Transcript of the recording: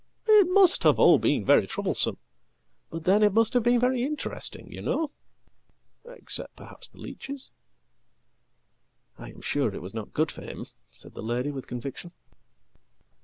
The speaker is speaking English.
It must have all been very troublesome, but then it must have been very interesting, you know except, perhaps, the leeches.""I am sure it was not good for him," said the lady with conviction."